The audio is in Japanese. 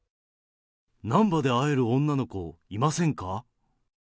難波で会える女の子、いませんか？